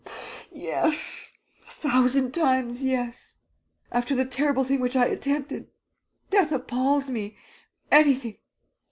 "Yes, a thousand times yes! After the terrible thing which I attempted, death appals me. ... Anything